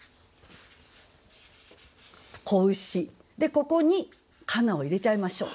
ここに「かな」を入れちゃいましょう。